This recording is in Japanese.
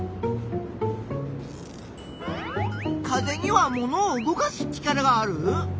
風にはものを動かす力がある？